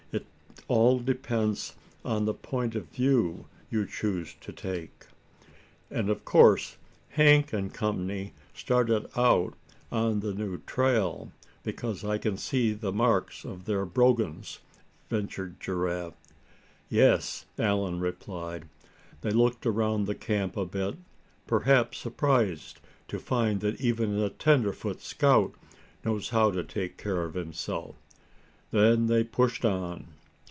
"It all depends on the point of view you choose to take." "And of course Hank and Company started out on the new trail, because I can see the marks of their brogans?" ventured Giraffe. "Yes," Allan replied, "they looked around the camp a bit, perhaps surprised to find that even a tenderfoot scout knows how to take care of himself. Then they pushed on."